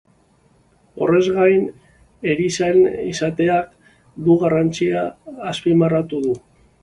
Horrez gain, erizain izateak duen garrantzia azpimarratu du.